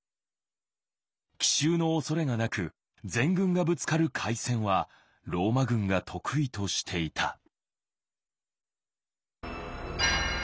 奇襲のおそれがなく全軍がぶつかる会戦はローマ軍が得意としていた。